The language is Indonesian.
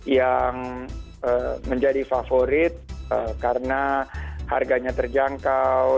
yang menjadi favorit karena harganya terjangkau